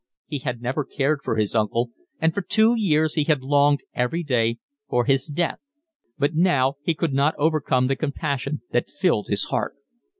He had never cared for his uncle, and for two years he had longed every day for his death; but now he could not overcome the compassion that filled his heart.